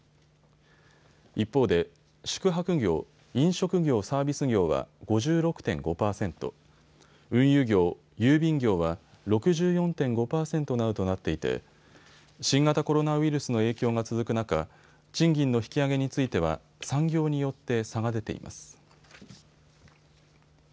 一方で宿泊業、飲食業サービス業は５６．５％、運輸業、郵便業は６４．５％などとなっていて新型コロナウイルスの影響が続く中、賃金の引き上げについては産業によって差が出ています。